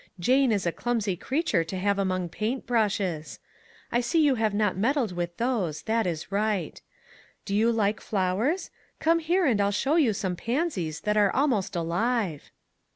Jane is a clumsy creature to have among paint brushes. I see you have not med dled with those; that is right. Do you like flowers? Come here and I'll show you some pansies that are almost alive."